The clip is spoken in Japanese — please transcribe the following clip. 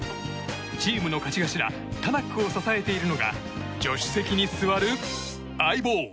チームの勝ち頭、タナックを支えているのが助手席に座る、相棒！